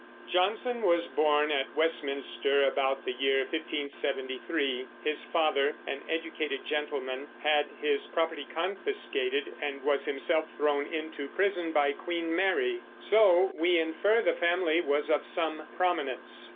Jonson was born at Westminster about the year 1573. His father, an educated gentleman, had his property confiscated and was himself thrown into prison by Queen Mary; so we infer the family was of some prominence.